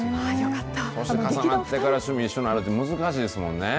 そして重なってから、趣味一緒になるって、難しいですもんね。